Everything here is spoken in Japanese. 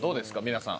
皆さん。